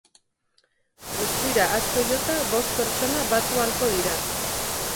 Guztira, asko jota bost pertsona batu ahalko dira.